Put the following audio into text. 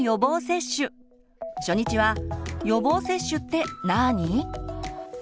初日は「予防接種ってなに？」。